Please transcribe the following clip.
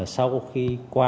sau khi qua